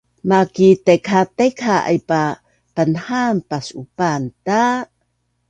makitaikhataikha aipa panahaan pas’upaan ta